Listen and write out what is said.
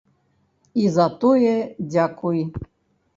І за тое дзякуй.